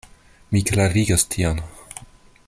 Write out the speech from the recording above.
Mi klarigos tion.